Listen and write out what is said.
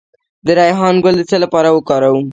د ریحان ګل د څه لپاره وکاروم؟